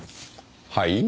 はい？